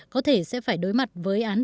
có thể sẽ phải đối mặt với án